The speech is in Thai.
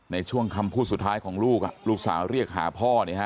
ในช่วงคำพูดสุดท้ายของลูกลูกสาวเรียกหาพ่อเนี่ยฮะ